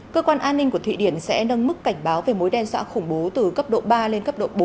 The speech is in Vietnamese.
cơ quan an ninh của thụy điển sẽ nâng mức cảnh báo về mối đe dọa khủng bố từ cấp độ ba lên cấp độ bốn